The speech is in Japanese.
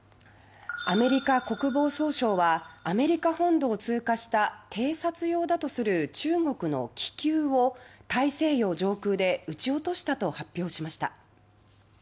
アメリカ国防総省はアメリカ本土を通過した偵察用だとする中国の気球を大西洋上空で撃ち落としたと発表しました。